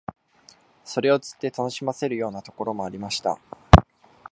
それを釣って楽しませるようなところもありました